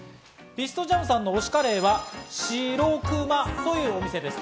ピストジャムさんの推しカレーは４６ｍａというお店です。